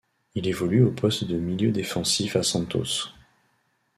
Il évolue au poste de milieu défensif à Santos.